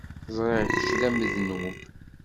Ẓriɣ kečč d amednub.